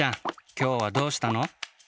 きょうはどうしたの？